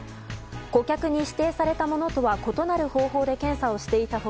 顧客に指定されたものとは異なる方法で検査をしていた他